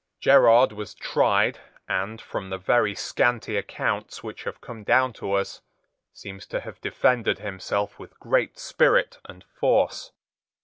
Gerard was tried, and, from the very scanty accounts which have come down to us, seems to have defended himself with great spirit and force.